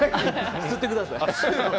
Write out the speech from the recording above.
吸ってください。